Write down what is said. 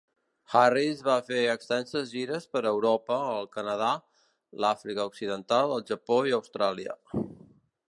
Harris ha fet extenses gires per Europa, el Canadà, l'Àfrica Occidental, el Japó i Austràlia.